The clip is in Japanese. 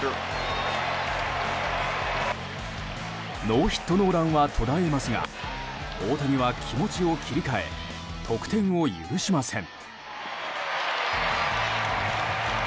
ノーヒットノーランは途絶えますが大谷は気持ちを切り替え得点を許しません。